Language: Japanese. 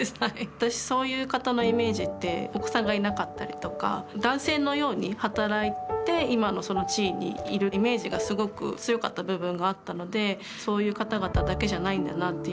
私そういう方のイメージってお子さんがいなかったりとか男性のように働いて今のその地位にいるイメージがすごく強かった部分があったのでそういう方々だけじゃないんだなっていう。